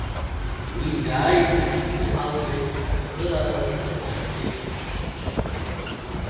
Уи дааины иҳалҳәеит ацхырааразы лхы дшамеигӡоз.